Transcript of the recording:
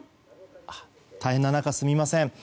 大変な中、すみません。